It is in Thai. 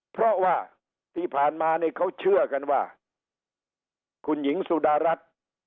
เพราะว่าที่ผ่านมาเนี่ยเขาเชื่อกันว่าคุณหญิงสุดารัฐ